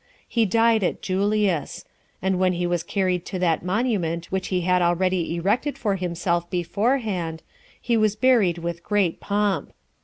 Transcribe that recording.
He died at Julias; and when he was carried to that monument which he had already erected for himself beforehand, he was buried with great pomp.